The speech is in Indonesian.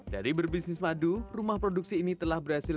dari berbisnis madu rumah produksi ini telah berhasil